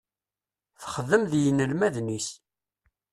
Texdem d yinelmaden-is.